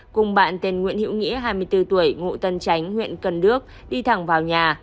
cùng bạn tên nguyễn hữu nghĩa hai mươi bốn tuổi ngụ tân tránh huyện cần đước đi thẳng vào nhà